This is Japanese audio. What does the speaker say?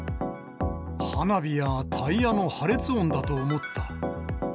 花火やタイヤの破裂音だと思った。